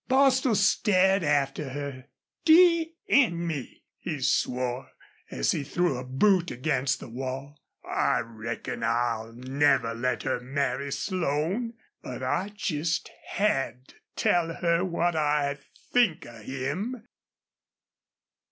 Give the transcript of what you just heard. Bostil stared after her. "D n me!" he swore, as he threw a boot against the wall. "I reckon I'll never let her marry Slone, but I just had to tell her what I think of him!"